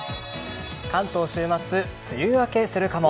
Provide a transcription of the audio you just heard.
関東は週末、梅雨明けするかも。